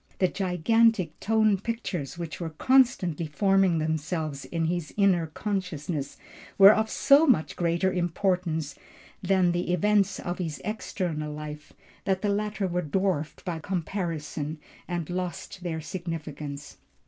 The gigantic tone pictures which were constantly forming themselves in his inner consciousness were of so much greater importance than the events of his external life, that the latter were dwarfed by comparison and lost their significance.